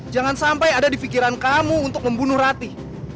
jangan sampai ada di pikiran kamu untuk membunuh rati